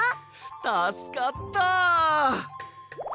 たすかった！